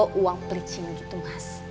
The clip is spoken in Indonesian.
bawa uang pelicin gitu mas